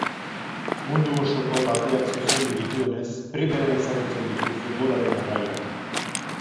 Mundu osoko taldeak zuzendu dituenez, primeran ezagutzen ditu futbolaren erraiak.